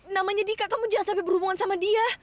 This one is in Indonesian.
namanya dika kamu jangan sampai berhubungan sama dia